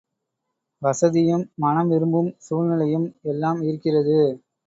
வசதியும் மனம் விரும்பும் சூழ்நிலையும் எல்லாம் இருக்கிறது.